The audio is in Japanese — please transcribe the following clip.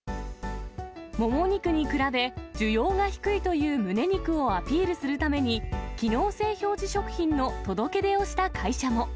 もも肉に比べ需要が低いというむね肉をアピールするために、機能性表示食品の届け出をした会社も。